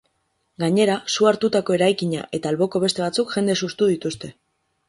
Gainera, su hartutako eraikina eta alboko beste batzuk jendez hustu dituzte.